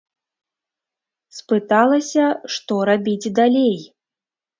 Спыталася, што рабіць далей?